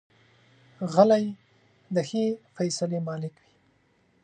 غلی، د ښې فیصلې مالک وي.